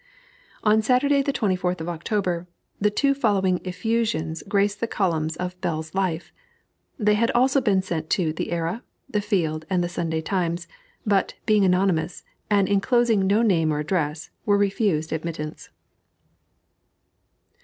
On Saturday the 24th of October, the two following effusions graced the columns of Bell's Life. They had also been sent to The Era, The Field, and The Sunday Times; but, being anonymous, and inclosing no name or address, were refused admittance.